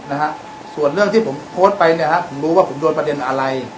นะฮะส่วนเรื่องที่ผมโพสต์ไปเนี่ยฮะผมรู้ว่าผมโดนประเด็นอะไร